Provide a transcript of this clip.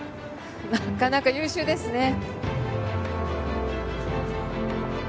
なかなか優秀ですね。